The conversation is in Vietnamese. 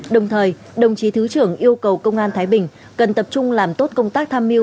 đồng thời đồng chí thứ trưởng yêu cầu công an thái bình cần tập trung làm tốt công tác tham mưu